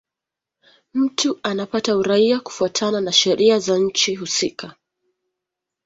Mtu anapata uraia kufuatana na sheria za nchi husika.